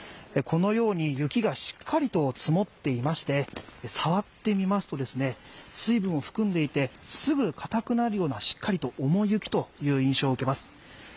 このように雪がしっかりと積もっていまして、触ってみますと、水分を含んでいてすぐ硬くなるような、しっかりと重い雪という印象を受けます。